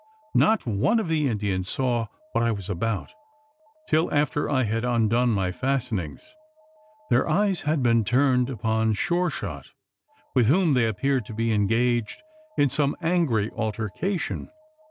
Not one of the Indians saw what I was about, till after I had undone my fastenings. Their eyes had been turned upon Sure shot with whom they appeared to be engaged in some angry altercation.